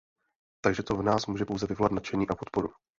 Takže to v nás může pouze vyvolat nadšení a podporu.